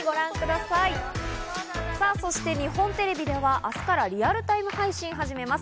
さぁ、そして日本テレビでは明日からリアルタイム配信を始めます。